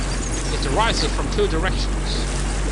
It arises from two directions.